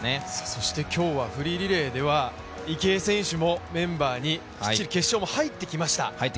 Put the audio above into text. そして今日はフリーリレーでは池江選手もメンバーにきっちり決勝も入ってきました。